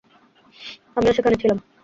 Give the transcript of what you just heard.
আমিও সেখানে ছিলাম!